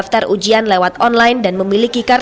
semuanya sama ya id semua itu sama